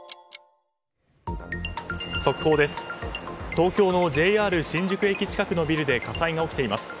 東京のＪＲ新宿駅近くのビルで火災が起きています。